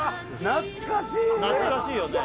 懐かしいよね